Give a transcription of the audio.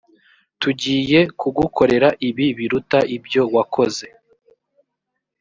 tugiye kugukorera ibibi biruta ibyo wakoze